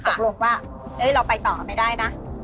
ใช่ก็สมบัติว่าเอ๊ะเราไปต่อไม่ได้นะ